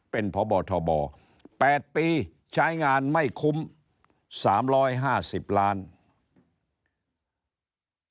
เป็นพบทบ๘ปีใช้งานไม่คุ้ม๓๕๐ล้านบาท